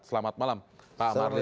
selamat malam pak marlis